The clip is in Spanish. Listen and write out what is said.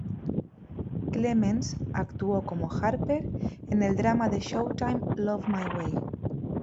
Clemens actuó como Harper en el drama de Showtime "Love My Way".